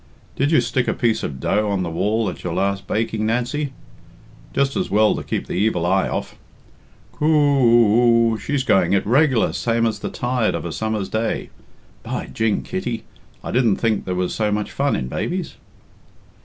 Did you stick a piece of dough on the wall at your last baking, Nancy? Just as well to keep the evil eye off. Coo oo oo! She's going it reg'lar, same as the tide of a summer's day. By jing, Kitty, I didn't think there was so much fun in babies."